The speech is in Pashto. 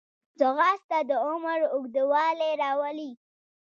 ځغاسته د عمر اوږدوالی راولي